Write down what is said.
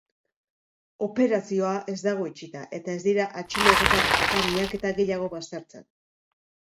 Operazioa ez dago itxita, eta ez dira atxiloketa eta miaketa gehiago baztertzen.